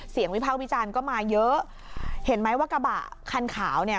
วิภาควิจารณ์ก็มาเยอะเห็นไหมว่ากระบะคันขาวเนี่ย